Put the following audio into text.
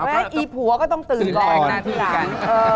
ไอ้ผัวก็ต้องตื่นก่อน